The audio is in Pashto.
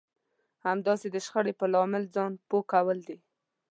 همداسې د شخړې په لامل ځان پوه کول دي.